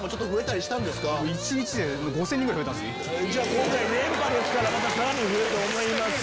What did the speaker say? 今回連覇ですからまたさらに増えると思います。